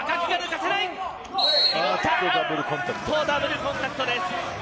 ダブルコンタクトです。